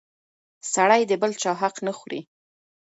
سړی د بل چا حق نه خوري!